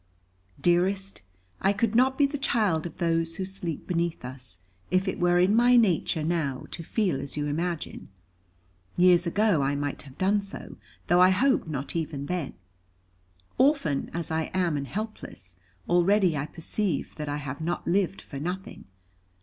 "Dearest, I could not be the child of those who sleep beneath us, if it were in my nature now to feel as you imagine. Years ago, I might have done so; though I hope not even then. Orphan as I am and helpless, already I perceive that I have not lived for nothing.